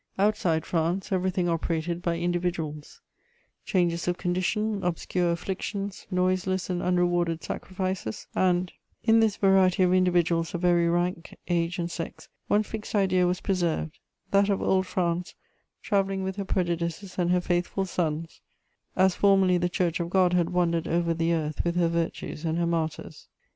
Outside France, everything operated by individuals: changes of condition, obscure afflictions, noiseless and unrewarded sacrifices; and, in this variety of individuals of every rank, age and sex, one fixed idea was preserved: that of Old France travelling with her prejudices and her faithful sons, as formerly the Church of God had wandered over the earth with her virtues and her martyrs.